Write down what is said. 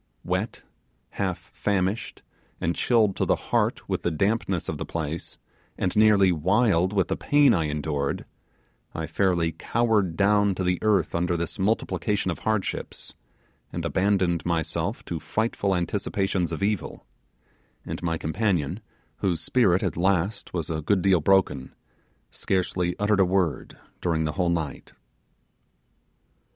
Wet, half famished, and chilled to the heart with the dampness of the place, and nearly wild with the pain I endured, I fairly cowered down to the earth under this multiplication of hardships, and abandoned myself to frightful anticipations of evil; and my companion, whose spirit at last was a good deal broken, scarcely uttered a word during the whole night.